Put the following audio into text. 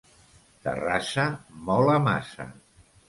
Terrassa mola massa.